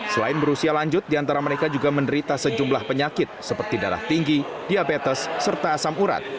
selain berusia lanjut diantara mereka juga menderita sejumlah penyakit seperti darah tinggi diabetes serta asam urat